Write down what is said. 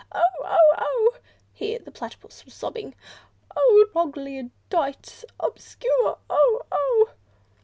Oh! oh! oh! (Here the Platypus was sobbing) Oh, Troglyodites obscure—oh! oh!